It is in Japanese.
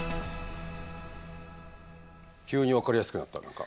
急に分かりやすくなった何か。